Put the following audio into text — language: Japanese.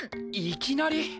いきなり！？